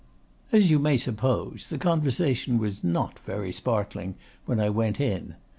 "As you may suppose the conversation was not very sparkling when I went in.